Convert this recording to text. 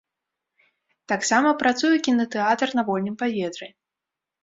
Таксама працуе кінатэатр на вольным паветры.